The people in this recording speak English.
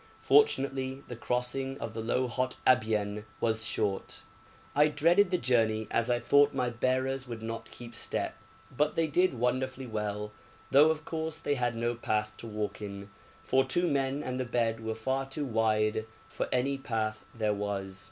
Fortunately the crossing of the low hot Abyan was short. I dreaded the journey, as I thought my bearers would not keep step, but they did wonderfully well, though of course they had no path to walk in, for two men and the bed were far too wide for any path there was.